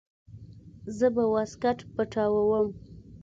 زه به واسکټ پټاووم.